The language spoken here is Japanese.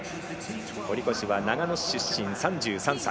堀越は長野市出身、３３歳。